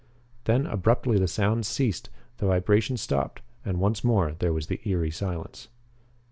Then abruptly the sounds ceased, the vibration stopped, and once more there was the eery silence.